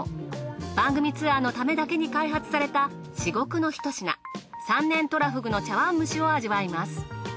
番組ツアーのためだけに開発された至極のひと品３年とらふぐの茶碗蒸しを味わいます。